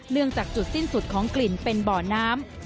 จากจุดสิ้นสุดของกลิ่นเป็นบ่อน้ำ